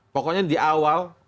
pokoknya di awal